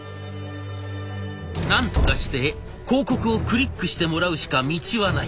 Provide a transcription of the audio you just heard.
なんとかして広告をクリックしてもらうしか道はない。